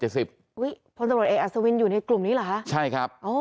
อุ๊ยพลตรวจเอกอัศวินอยู่ในกลุ่มนี้เหรอครับ